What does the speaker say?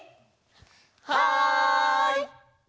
はい！